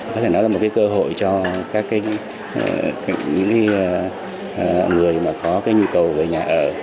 có thể nói là một cái cơ hội cho các người mà có cái nhu cầu về nhà ở